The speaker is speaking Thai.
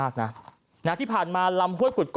ค่ะ